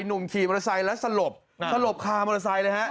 ขี่มอเตอร์ไซค์แล้วสลบสลบคามอเตอร์ไซค์เลยฮะ